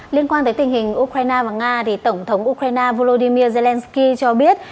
liên quan tới tình hình ukraine và nga tổng thống ukraine volodymyr zelensky cho biết